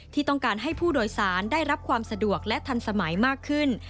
ที่ต้องการให้ผู้โดยสารได้รับความสะดวกและทันสมัยมากขึ้น